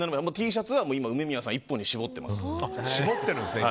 Ｔシャツは今梅宮さん一本に絞ってます。